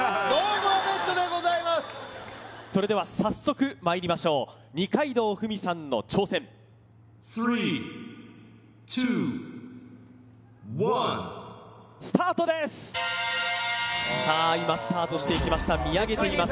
ああっそれでは早速まいりましょう二階堂ふみさんの挑戦スタートですさあ今スタートしていきました見上げています